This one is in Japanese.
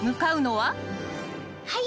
はい。